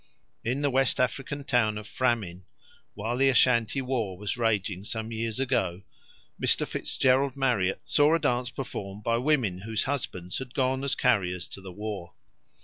In the West African town of Framin, while the Ashantee war was raging some years ago, Mr. Fitzgerald Marriott saw a dance performed by women whose husbands had gone as carriers to the war.